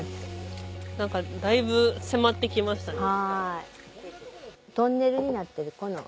何かだいぶ迫ってきましたね。